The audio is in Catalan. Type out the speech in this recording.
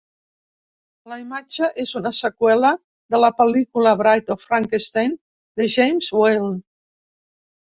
La imatge és una seqüela de la pel·lícula Bride of Frankenstein de James Whale.